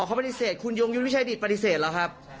อ่าเขาปฏิเสธคุณยุทธวิชัยดิตปฏิเสธหรือครับ